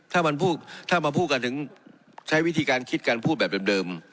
ถ้ามาพูดกันถึงใช้วิธีการคิดการพูดแบบเดิม